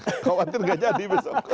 khawatir gak jadi besok